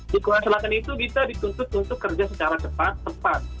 di korea selatan itu bisa dituntut untuk kerja secara cepat tepat